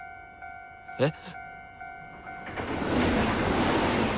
えっ？